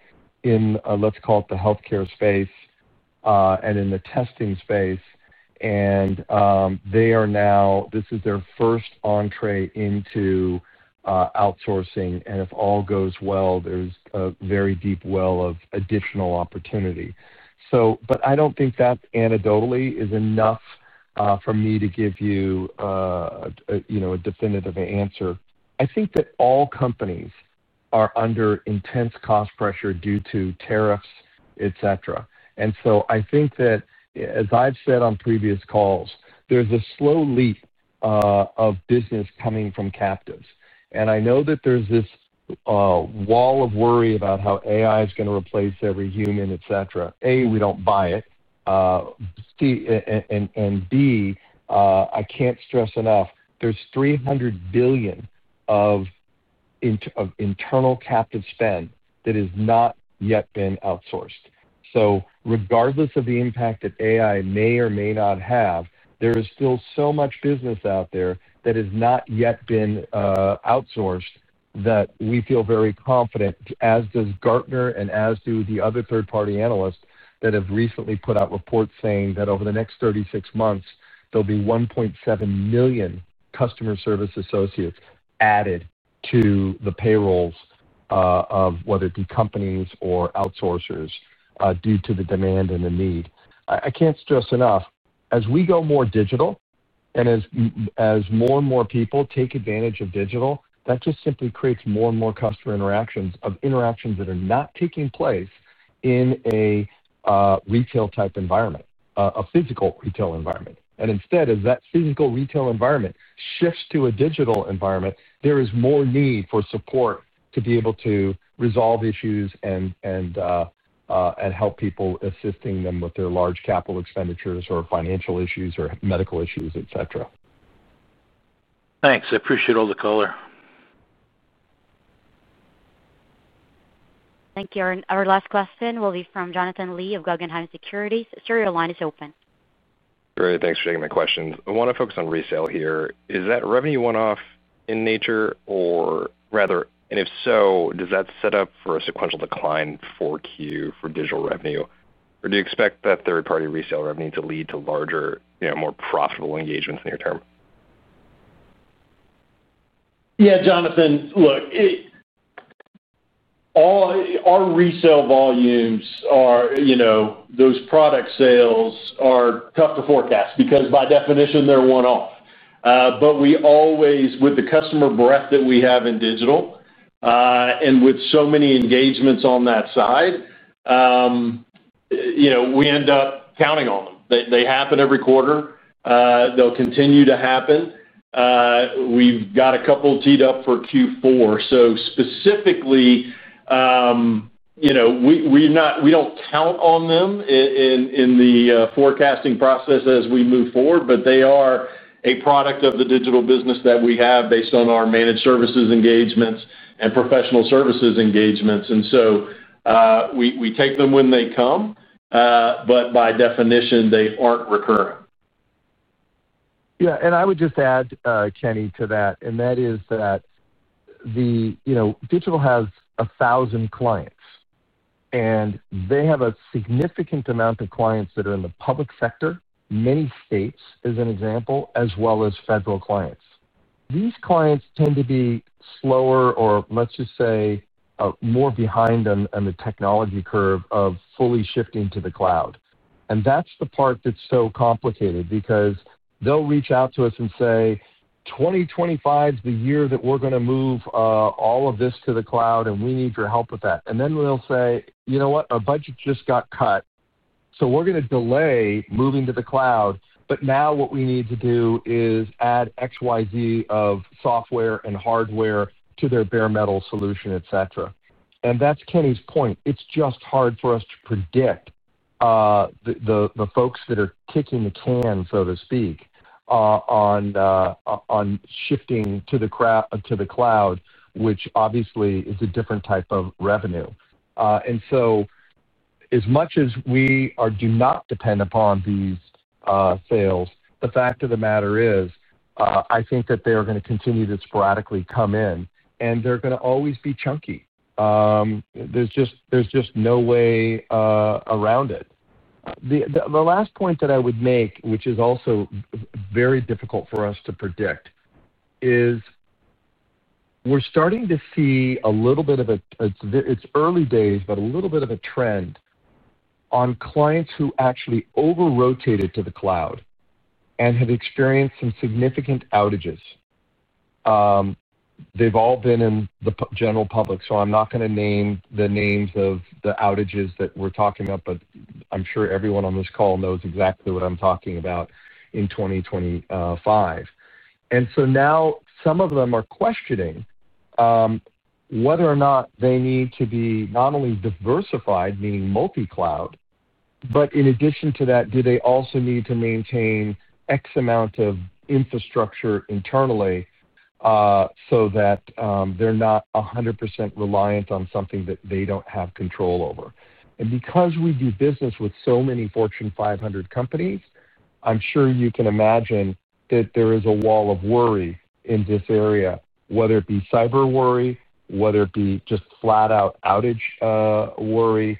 in, let's call it, the healthcare space and in the testing space. This is their first entree into outsourcing. If all goes well, there's a very deep well of additional opportunity. I don't think that anecdotally is enough for me to give you a definitive answer. I think that all companies are under intense cost pressure due to tariffs, etc. I think that, as I've said on previous calls, there's a slow leak of business coming from captives. I know that there's this wall of worry about how AI is going to replace every human, etc. A) We don't buy it. B) I can't stress enough. There's $300 billion of internal captive spend that has not yet been outsourced. Regardless of the impact that AI may or may not have, there is still so much business out there that has not yet been outsourced that we feel very confident, as does Gartner and as do the other third-party analysts that have recently put out reports saying that over the next 36 months, there'll be 1.7 million customer service associates added to the payrolls of whether it be companies or outsourcers due to the demand and the need. I can't stress enough, as we go more digital and as more and more people take advantage of digital, that just simply creates more and more customer interactions of interactions that are not taking place in a retail-type environment, a physical retail environment. Instead, as that physical retail environment shifts to a digital environment, there is more need for support to be able to resolve issues and help people assisting them with their large capital expenditures or financial issues or medical issues, etc. Thanks. I appreciate all the color. Thank you. Our last question will be from Jonathan Lee of Guggenheim Securities. Sir, your line is open. Great. Thanks for taking my questions. I want to focus on resale here. Is that revenue one-off in nature, or rather, and if so, does that set up for a sequential decline for digital revenue? Do you expect that third-party resale revenue to lead to larger, more profitable engagements in the near-term? Yeah, Jonathan, look, our resale volumes, those product sales, are tough to forecast because by definition, they're one-off. With the customer breadth that we have in digital and with so many engagements on that side, we end up counting on them. They happen every quarter. They'll continue to happen. We've got a couple teed up for Q4. Specifically, we don't count on them in the forecasting process as we move forward, but they are a product of the digital business that we have based on our managed services engagements and professional services engagements. We take them when they come, but by definition, they aren't recurring. Yeah. I would just add, Kenny, to that, the digital has 1,000 clients, and they have a significant amount of clients that are in the public sector, many states, as an example, as well as federal clients. These clients tend to be slower or, let's just say, more behind on the technology curve of fully shifting to the cloud. That is the part that's so complicated because they'll reach out to us and say, "2025 is the year that we're going to move all of this to the cloud, and we need your help with that." We will say, "You know what? Our budget just got cut, so we're going to delay moving to the cloud, but now what we need to do is add XYZ of software and hardware to their bare metal solution, etc." That is Kenny's point. It's just hard for us to predict the folks that are kicking the can, so to speak, on shifting to the cloud, which obviously is a different type of revenue. As much as we do not depend upon these sales, the fact of the matter is I think that they are going to continue to sporadically come in, and they're going to always be chunky. There's just no way around it. The last point that I would make, which is also very difficult for us to predict, is we're starting to see a little bit of a, it's early days, but a little bit of a trend on clients who actually over-rotated to the cloud and have experienced some significant outages. They've all been in the general public, so I'm not going to name the names of the outages that we're talking about, but I'm sure everyone on this call knows exactly what I'm talking about in 2025. Some of them are questioning whether or not they need to be not only diversified, meaning multi-cloud, but in addition to that, do they also need to maintain X amount of infrastructure internally so that they're not 100% reliant on something that they don't have control over. Because we do business with so many Fortune 500 companies, I'm sure you can imagine that there is a wall of worry in this area, whether it be cyber worry, whether it be just flat-out outage worry,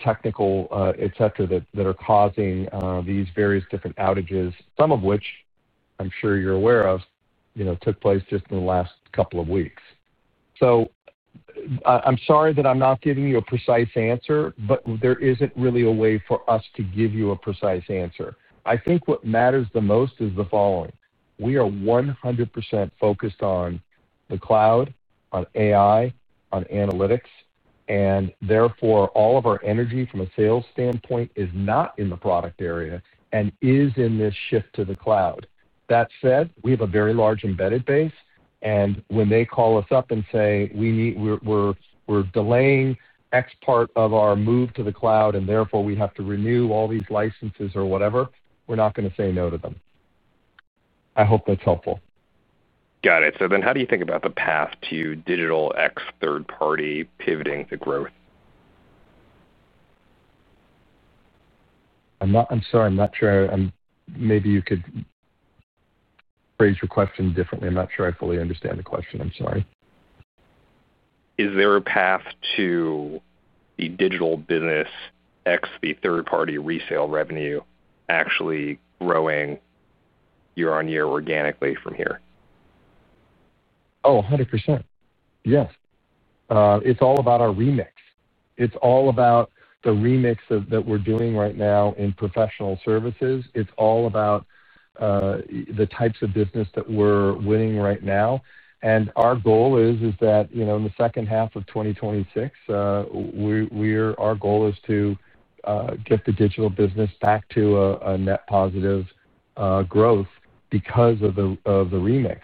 technical, etc., that are causing these various different outages, some of which I'm sure you're aware of took place just in the last couple of weeks. I'm sorry that I'm not giving you a precise answer, but there isn't really a way for us to give you a precise answer. I think what matters the most is the following. We are 100% focused on the cloud, on AI, on analytics, and therefore all of our energy from a sales standpoint is not in the product area and is in this shift to the cloud. That said, we have a very large embedded base, and when they call us up and say, "We're delaying X part of our move to the cloud, and therefore we have to renew all these licenses or whatever," we're not going to say no to them. I hope that's helpful. Got it. How do you think about the path to digital X third-party pivoting to growth? I'm sorry, I'm not sure. Maybe you could phrase your question differently. I'm not sure I fully understand the question. I'm sorry. Is there a path to the digital business X, the third-party resale revenue, actually growing year-on-year organically from here? Oh, 100%. Yes. It's all about our remix. It's all about the remix that we're doing right now in professional services. It's all about the types of business that we're winning right now. Our goal is that in the second half of 2026, our goal is to get the digital business back to a net positive growth because of the remix.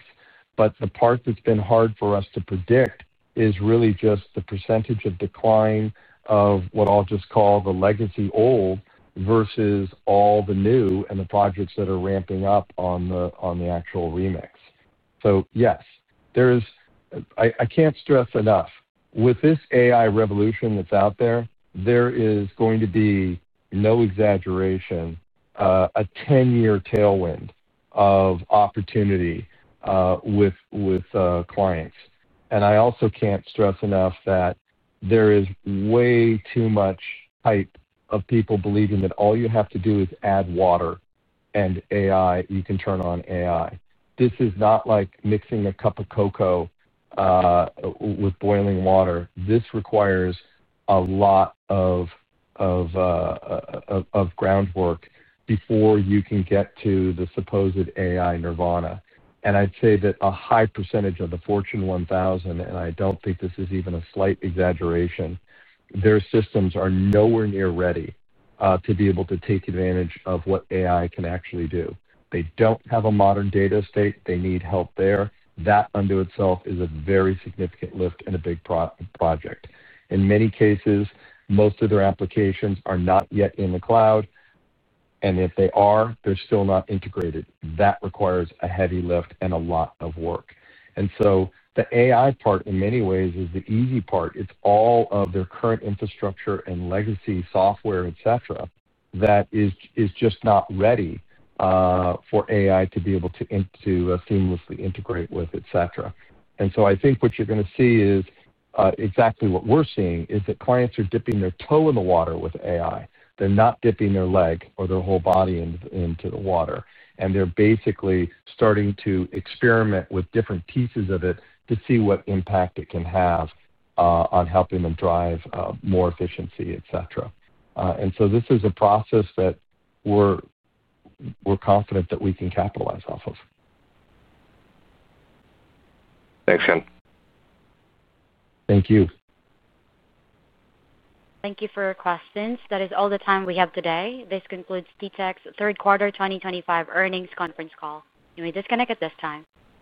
The part that's been hard for us to predict is really just the percentage of decline of what I'll just call the legacy old versus all the new and the projects that are ramping up on the actual remix. Yes, I can't stress enough. With this AI revolution that's out there, there is going to be, no exaggeration, a 10-year tailwind of opportunity with clients. I also can't stress enough that there is way too much hype of people believing that all you have to do is add water and you can turn on AI. This is not like mixing a cup of cocoa with boiling water. This requires a lot of groundwork before you can get to the supposed AI nirvana. I'd say that a high percentage of the Fortune 1,000, and I don't think this is even a slight exaggeration, their systems are nowhere near ready to be able to take advantage of what AI can actually do. They don't have a modern data state. They need help there. That unto itself is a very significant lift and a big project. In many cases, most of their applications are not yet in the cloud. If they are, they're still not integrated. That requires a heavy lift and a lot of work. The AI part, in many ways, is the easy part. It's all of their current infrastructure and legacy software, etc., that is just not ready for AI to be able to seamlessly integrate with, etc. I think what you're going to see is exactly what we're seeing is that clients are dipping their toe in the water with AI. They're not dipping their leg or their whole body into the water. They're basically starting to experiment with different pieces of it to see what impact it can have on helping them drive more efficiency, etc. This is a process that we're confident that we can capitalize off of. Thanks, Ken. Thank you. Thank you for your questions. That is all the time we have today. This concludes TTEC's third quarter 2025 earnings conference call. You may disconnect at this time.